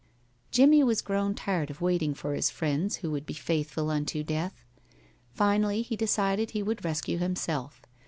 Jimmie was grown tired of waiting for his friends who would be faithful unto death. Finally he decided that he would rescue himself.